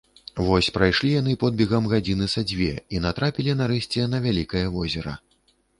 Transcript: Вось прайшлі яны подбегам гадзіны са дзве і натрапілі нарэшце на вялікае возера